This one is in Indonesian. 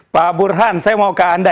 pak burhan saya mau ke anda